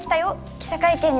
記者会見に